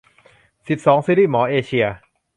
สิบสอง ซีรีส์หมอเอเชีย